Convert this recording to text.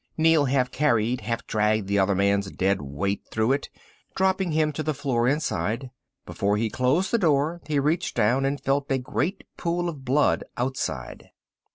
Neel half carried, half dragged the other man's dead weight through it, dropping him to the floor inside. Before he closed the door he reached down and felt a great pool of blood outside.